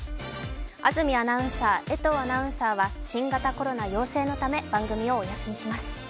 安住アナウンサー江藤アナウンサーは、新型コロナ陽性のため番組をお休みします。